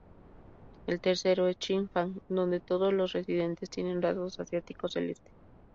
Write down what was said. El tercero es Chi-Fang, donde todos los residentes tienen rasgos asiáticos del este.